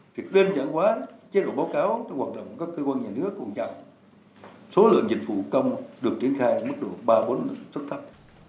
việc lên trạng quá chế độ báo cáo cho hoàn toàn các cơ quan nhà nước còn chậm